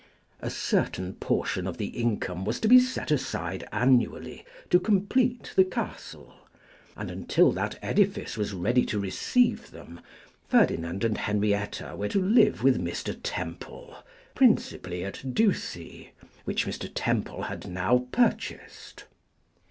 A certain portion of the income was to be set aside annually to complete the castle, and until that edifice was ready to receive them, Ferdinand and Henrietta were to live with Mr. Temple, principally at Ducie, which Mr. Temple had now purchased.